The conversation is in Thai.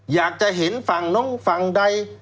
อยากจะเห็นฝั่งน้องฝั่งใด